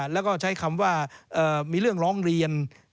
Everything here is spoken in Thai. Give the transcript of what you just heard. แล้วก็ใช้คำว่ามีเรื่องร้องเรียน